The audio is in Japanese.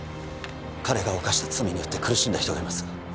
彼が犯した罪によって苦しんだ人がいます